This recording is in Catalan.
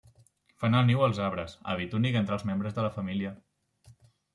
Fan el niu als arbres, hàbit únic entre els membres de la família.